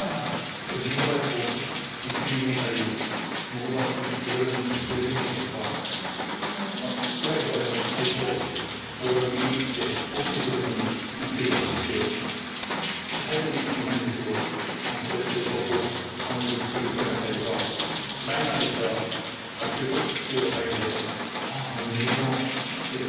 けど自分の場合は２球に見えたり物がボールがブレて見えたりとかフライとかでも最初ボールが見えにくくて落ちてくる時に２球で落ちてきて最後に１球になるんですけどそこで最初は顔にぶつかりそうになったりとかライナーでしたら打球スピードが速いのでもう二重のままバーンってきて。